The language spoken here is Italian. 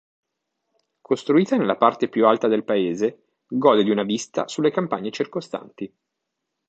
Costruita nella parte più alta del paese, gode di una vista sulle campagne circostanti.